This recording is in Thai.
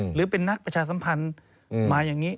หรือเป็นนักประชาสัมพันธ์มาอย่างนี้